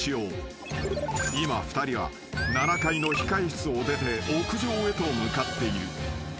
［今２人は７階の控室を出て屋上へと向かっている］